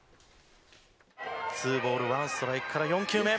２ボール１ストライクから４球目。